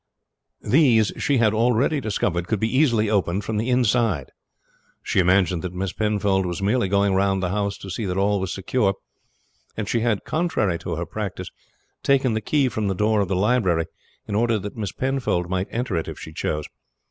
These she had already discovered could be easily opened from the inside. She imagined that Miss Penfold was merely going round the house to see that all was secure, and she had, contrary to her practice, taken the key from the door of the library in order that Miss Penfold might enter it if she chose.